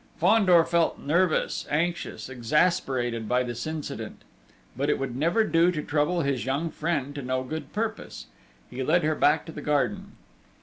Fandor felt nervous, anxious, exasperated by this incident; but it would never do to trouble his young friend to no good purpose. He led her back to the garden.